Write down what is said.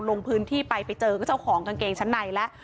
ลงพื้นที่ไปไปเจอเจ้าของกางเกงชั้นในแล้ว